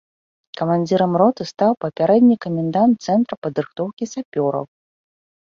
Камандзірам роты стаў папярэдні камендант цэнтра падрыхтоўкі сапёраў.